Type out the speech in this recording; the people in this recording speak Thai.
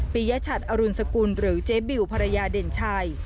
ปิยชัตริ์อรุณสกุลหรือเจบิวภรรยาเด่นไช